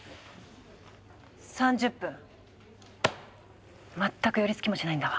３０分全く寄りつきもしないんだわ。